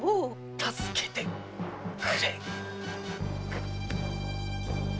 助けてくれ。